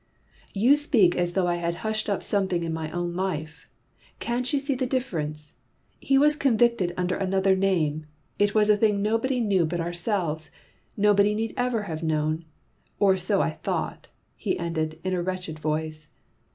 "You speak as though I had hushed up something in my own life. Can't you see the difference? He was convicted under another name; it was a thing nobody knew but ourselves; nobody need ever have known. Or so I thought," he ended in a wretched voice.